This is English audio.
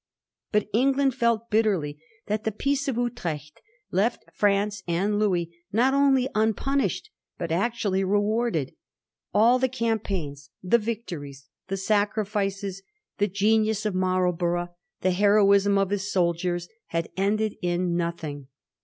But England felt bitterly that the Peace of Utrecht left France and Louis not only unpunished, but actually rewarded^ All the campaigns, the victories, the sacrifices, the genius of Marlborough, the heroism of his soldiers, had ended in nothing.